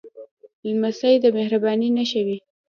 لمسی د مهربانۍ نښه وي.